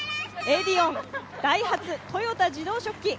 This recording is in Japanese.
エディオン、ダイハツ、豊田自動織機。